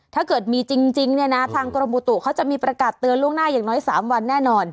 ถ้าเกิดมีจริงเนี่ยนะทางกรมบุตุเขาจะมีประกาศเตือนล่วงหน้าอย่างน้อย๓วันแน่นอน